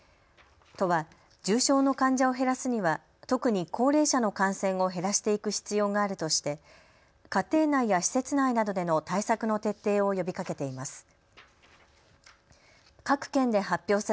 都は重症の患者を減らすには特に高齢者の感染を減らしていく必要があるとして家庭内や施設内などでの対策の徹底を呼びかけています。